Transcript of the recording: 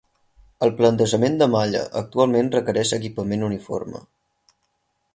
El plantejament de malla actualment requereix equipament uniforme.